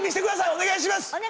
お願いします！